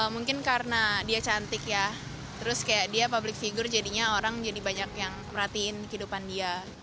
mungkin karena dia cantik ya terus kayak dia public figure jadinya orang jadi banyak yang merhatiin kehidupan dia